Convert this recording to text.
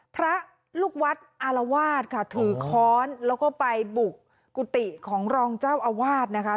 พระลูกวัดอารวาสค่ะถือค้อนแล้วก็ไปบุกกุฏิของรองเจ้าอาวาสนะคะ